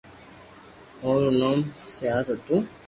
او رو نوم سيات ھتو